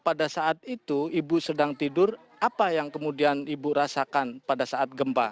pada saat itu ibu sedang tidur apa yang kemudian ibu rasakan pada saat gempa